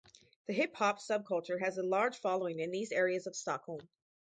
The hip hop subculture has a large following in these areas of Stockholm.